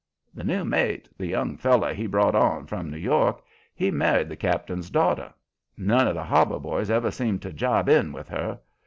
"The new mate the young fellow he brought on from New York he married the cap'n's daughter. None o' the Harbor boys ever seemed to jibe in with her.